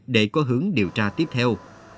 để có hướng điều tra tiếp theo